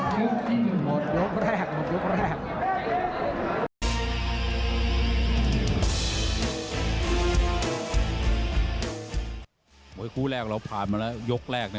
มีตราตังคู่เลยนะ